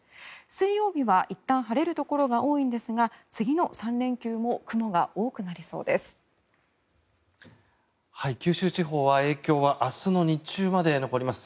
水曜日はいったん晴れるところが多いんですが次の３連休も雲が多くなりそうです。